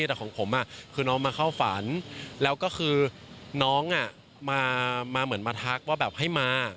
แต่ของผมคือน้องมาเข้าฝันแล้วก็คือน้องมาเหมือนมาทักว่าแบบให้มา